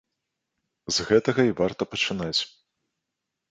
З гэтага і варта пачынаць.